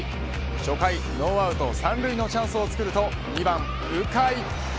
初回ノーアウト３塁のチャンスを作ると２番、鵜飼。